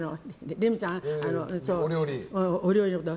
レミさん、お料理のこと。